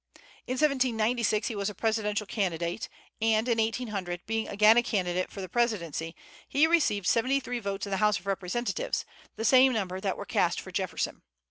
In 1796 he was a presidential candidate, and in 1800, being again a candidate for the presidency, he received seventy three votes in the House of Representatives, the same number that were cast for Jefferson.